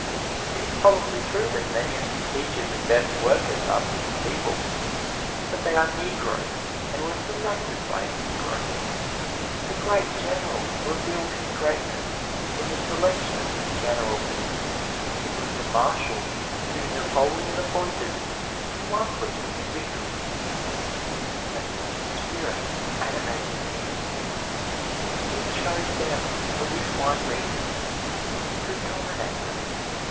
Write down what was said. It is probably true that many of his teachers and best workers are picked people but they are Negroes, and were selected by a Negro. The great general reveals his greatness in the selection of his generals: it was the marshals whom Napoleon appointed who won for him his victories; but his spirit animated theirs, and he chose them for this one reason he could dominate them.